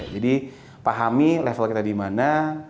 jadi pahami level kita dimana